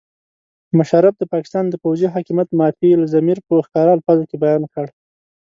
مشرف د پاکستان د پوځي حاکمیت مافي الضمیر په ښکاره الفاظو کې بیان کړ.